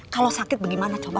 kalau sakit bagaimana coba